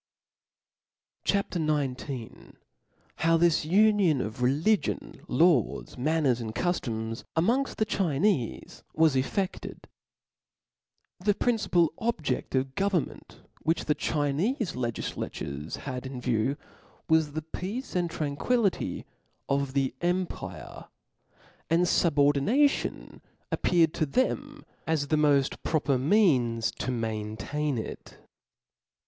(o) sce book 14. CHAP. XIX. '•^' How this Union of Religion, Laws^Manners, and Cujioms^ amongfi the Chinefe, was effeSled. nr* H E principal object of government which ■■ the Chinefe legiflators had in view, was the peace and tranquillity of the empire : and fubor dination appeared to them as the moft proper means ^ to maintain it.